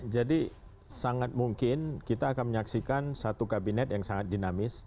jadi sangat mungkin kita akan menyaksikan satu kabinet yang sangat dinamis